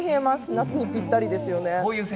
夏にぴったりです。